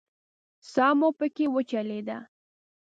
ساه مو پکې وچلېده.